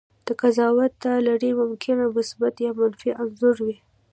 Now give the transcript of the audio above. د قضاوت دا لړۍ ممکن مثبت یا منفي انځور وي.